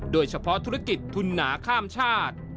โดยเฉพาะธุรกิจทุนหนาข้ามชาติ